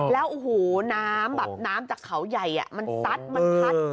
แล้วโอ้โหน้ำแบบน้ำจากเขาใหญ่มันซัดมันพัด